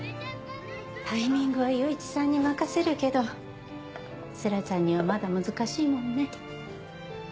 タイミングは祐一さんに任せるけど星来ちゃんにはまだ難しいもんね。